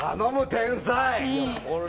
天才！